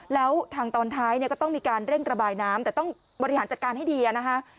แล้วทางตอนท้ายเนี่ยก็ต้องมีการเร่งระบายน้ำแต่ต้องบริหารจัดการให้ดีนะคะ